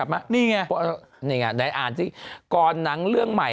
แม่เจ้า